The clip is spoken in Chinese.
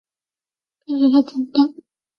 看着他长大